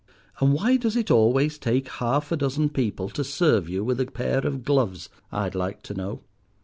And why does it always take half a dozen people to serve you with a pair of gloves, I'd like to know?